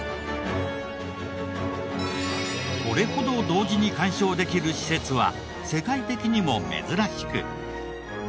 これほど同時に観賞できる施設は世界的にも珍しく。